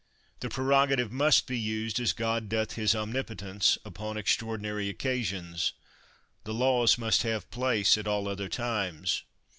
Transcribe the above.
The prerogative must be used as God doth his omnipotence, upon extraor dinary occasions; the laws must have place at all other times.